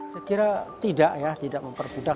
saya kira tidak ya tidak mempermudah